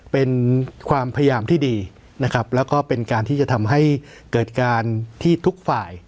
เป็นความพยายามที่ดีนะครับแล้วก็เป็นการที่จะทำให้เกิดการที่ทุกฝ่าย